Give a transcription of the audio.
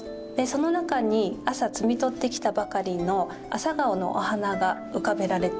その中に朝摘み取ってきたばかりの朝顔のお花が浮かべられているんです。